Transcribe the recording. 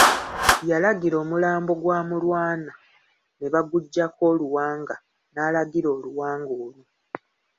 Yalagira omulambo gwa Mulwana ne baguggyako oluwanga n'alagira oluwanga olwo.